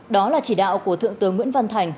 đó là chỉ đạo của thượng tướng nguyễn văn thành